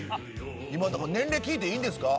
今年齢聞いていいんですか？